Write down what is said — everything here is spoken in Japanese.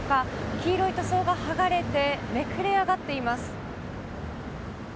黄色い塗装が剥がれてめくれ上がっています。